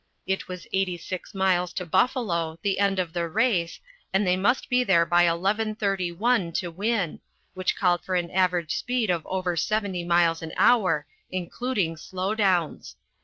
It was 86 miles to Buffalo, the end of the race, and they must be there by eleven thirty one to win, which called for an average speed of over 70 miles an hour, including slow downs.